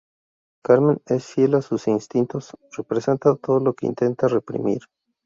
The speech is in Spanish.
Carmen, que es fiel a sus instintos, representa todo lo que intenta reprimir.